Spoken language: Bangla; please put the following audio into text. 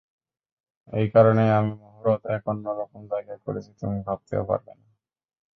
এই কারণেই আমি মহরত, এক অন্যরকম জায়গায় করেছি, তুমি ভাবতেও পারবে না।